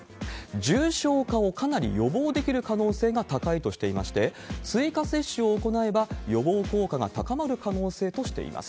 重症化をかなり予防できる可能性が高いとしていまして、追加接種を行えば、予防効果が高まる可能性としています。